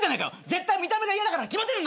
絶対見た目が嫌だからに決まってる！